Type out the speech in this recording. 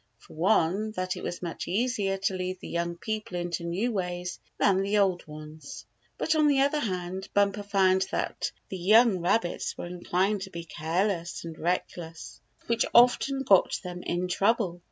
For one, that it was much easier to lead the young people into new ways than the old ones. But on the other hand Bumper found that the young rabbits were inclined to be careless and reckless, which often got them in trouble.